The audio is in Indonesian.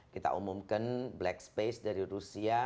kita umumkan black space dari rusia